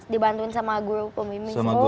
dibantuin sama guru pemimpin